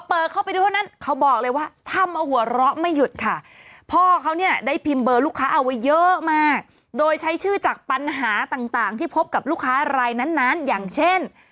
เปิดเข้าไปดูเท่านั้นเขาบอกเลยว่าทำเอาหัวเราะไม่หยุดค่ะพ่อเขาเนี่ยได้พิมพ์เบอร์ลูกค้าเอาไว้เยอะมากโดยใช้ชื่อจากปัญหาต่างที่พบกับลูกค้ารายนั้นอย่างเช่น